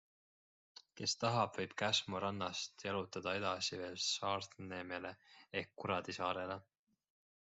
Kes tahab, võib Käsmu rannast jalutada edasi veel Saartneemele ehk Kuradisaarele.